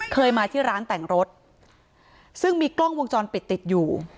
เคยมาที่ร้านแต่งรถซึ่งมีกล้องวงจรปิดติดอยู่